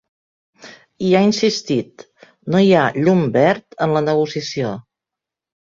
I ha insistit: No hi ha llum verd en la negociació.